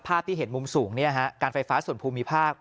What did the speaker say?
ภาพที่เห็นมุมสูงการไฟฟ้าส่วนภูมิภาค